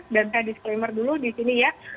dan saya disclaimer dulu disini ya